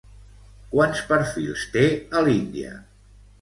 Quants perfils té a l'Índia?